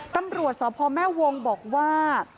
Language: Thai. ตำรวจสพแม่วงบอกว่า